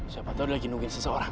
siapa tau dia lagi nungguin seseorang